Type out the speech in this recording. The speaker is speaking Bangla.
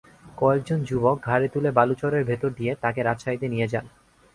কয়েকজন যুবক ঘাড়ে তুলে বালুচরের ভেতর দিয়ে তাঁকে রাজশাহীতে নিয়ে যান।